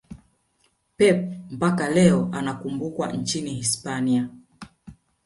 pep mpaka leo anakumbukwa nchini hispania